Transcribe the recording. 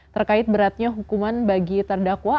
terkait beratnya hukuman bagi terdakwa